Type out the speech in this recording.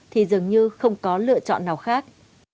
thì dường như không có lựa chọn nào khác